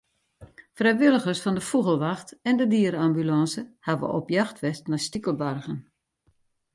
Frijwilligers fan de Fûgelwacht en de diere-ambulânse hawwe op jacht west nei stikelbargen.